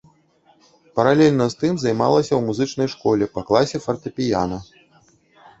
Паралельна з тым займалася ў музычнай школе па класе фартэпіяна.